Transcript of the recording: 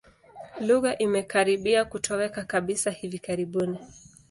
Lugha imekaribia kutoweka kabisa hivi karibuni.